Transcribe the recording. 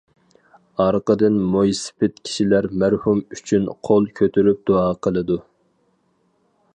ئارقىدىن مويسىپىت كىشىلەر مەرھۇم ئۈچۈن قول كۆتۈرۈپ دۇئا قىلىدۇ.